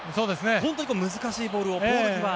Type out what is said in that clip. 本当に難しいボールをポール際へ。